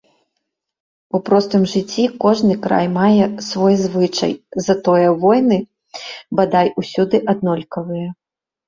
У простым жыцці кожны край мае свой звычай, затое войны, бадай, усюды аднолькавыя.